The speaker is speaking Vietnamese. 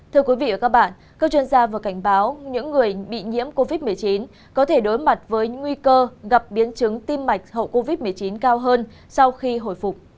thưa quý vị và các bạn các chuyên gia vừa cảnh báo những người bị nhiễm covid một mươi chín có thể đối mặt với những nguy cơ gặp biến chứng tim mạch hậu covid một mươi chín cao hơn sau khi hồi phục